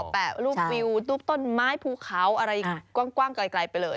แปะรูปวิวรูปต้นไม้ภูเขาอะไรกว้างไกลไปเลย